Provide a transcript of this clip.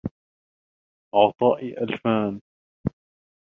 عَطَائِي أَلْفَانِ